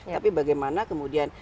tapi bagaimana kemudian